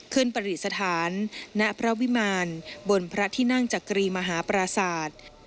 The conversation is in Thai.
ขึ้นประดิษฐานณพระวิมานบนพระทินังจักรีมหาประสาท